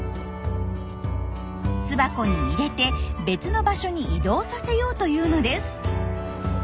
巣箱に入れて別の場所に移動させようというのです。